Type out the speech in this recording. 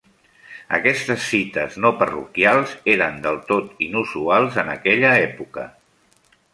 Aquestes cites no parroquials eren del tot inusuals en aquella època.